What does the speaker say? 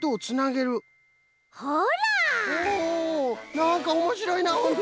なんかおもしろいなホント！